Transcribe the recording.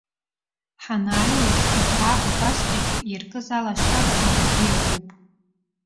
Ҳанааиуаз иҭаа акәасқьаҿы иаркыз алашара уажәыгьы иаркуп.